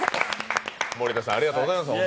森田さん、ありがとうございます。